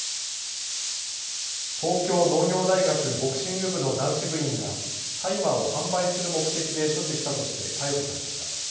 東京農業大学ボクシング部の男子部員が大麻を販売する目的で所持したとして逮捕されました。